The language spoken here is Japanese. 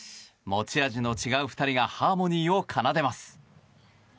持ち味の違う２人がハーモニーを奏でます。